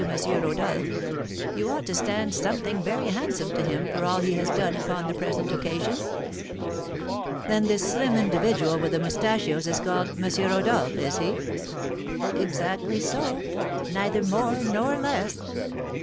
Rodolph. You ought to stand something very handsome to him for all he has done upon the present occasion." "Then this slim individual with the moustachios is called M. Rodolph, is he?" "Exactly so; neither more nor less."